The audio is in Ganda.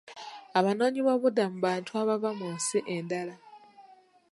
Abanoonyiboobubudamu bantu abava mu nsi endala.